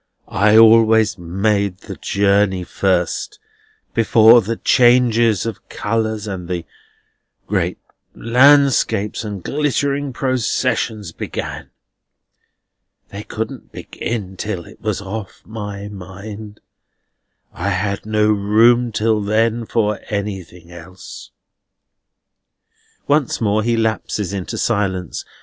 I always made the journey first, before the changes of colours and the great landscapes and glittering processions began. They couldn't begin till it was off my mind. I had no room till then for anything else." Once more he lapses into silence.